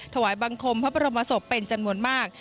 ถวายบังคมพระบรมศพเป็นจำนวนมาก